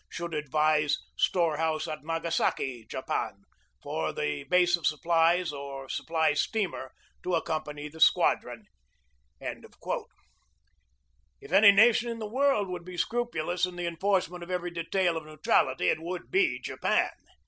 Should advise storehouse at Nagasaki, Japan, for the base of supplies or supply steamer to accompany the squadron." If any nation in the world would be scrupulous in the enforcement of every detail of neutrality it would be Japan.